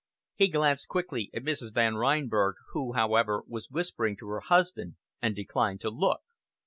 He glanced quickly at Mrs. Van Reinberg, who, however, was whispering to her husband, and declined to look.